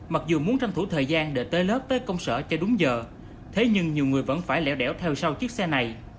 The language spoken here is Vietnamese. mặc dù muốn tranh thủ thời gian để tới lớp tới công sở cho đúng giờ thế nhưng nhiều người vẫn phải lẻo đẻo theo sau chiếc xe này